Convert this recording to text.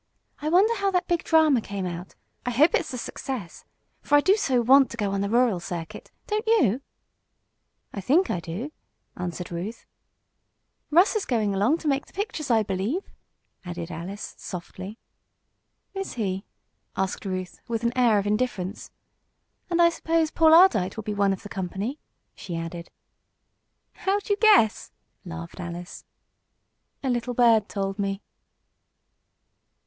I wonder how that big drama came out? I hope it's a success. For I do so want to go on the rural circuit; don't you?" "I think I do," answered Ruth. "Russ is going along to make the pictures, I believe," added Alice, softly. "Is he?" asked Ruth, with an air of indifference. "And I suppose Paul Ardite will be one of the company," she added. "How'd you guess?" laughed Alice. "A little bird told me."